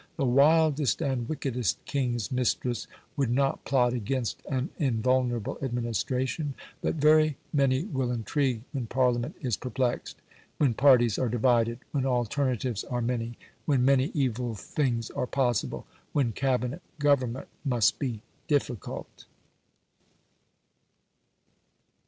The wildest and wickedest king's mistress would not plot against an invulnerable administration. But very many will intrigue when Parliament is perplexed, when parties are divided, when alternatives are many, when many evil things are possible, when Cabinet government must be difficult.